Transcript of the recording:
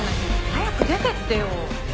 早く出てってよ。